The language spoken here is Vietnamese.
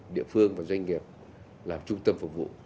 địa phương và doanh nghiệp làm trung tâm phục vụ